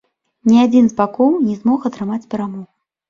Ні адзін з бакоў не змог атрымаць перамогу.